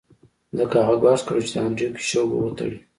ځکه هغه ګواښ کړی و چې د انډریو کشو به وتړي